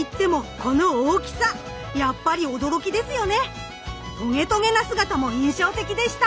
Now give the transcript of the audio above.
トゲトゲな姿も印象的でした。